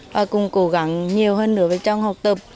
và cùng cố gắng nhiều hơn nữa trong học tập